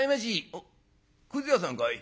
「おっくず屋さんかい？